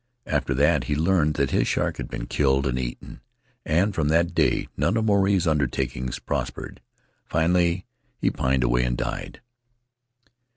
After that he learned that his shark had been killed and eaten, and from that day none of Maruae's undertakings prospered; finally he pined away and died."